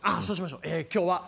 そうしましょう。